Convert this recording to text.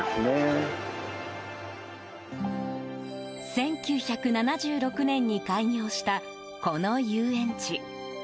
１９７６年に開業したこの遊園地。